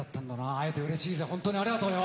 会えてうれしいぜ本当にありがとうよ。